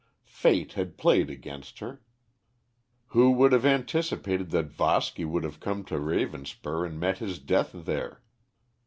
Fate had played against her. Who could have anticipated that Voski would have come to Ravenspur and met his death there!